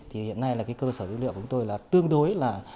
thì hiện nay là cái cơ sở dữ liệu của chúng tôi là tương đối là